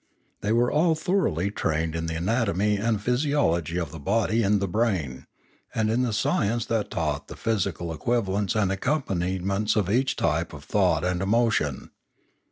They were all thoroughly trained in the anatomy and physiology of the body and the brain, and in the science that taught the physical equivalents and accompaniments of each type of thought and emo tion.